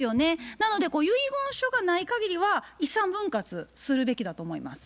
なので遺言書がないかぎりは遺産分割するべきだと思います。